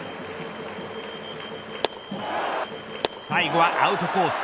最後はアウトコース